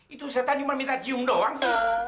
itu setan cuma minta cium doang sih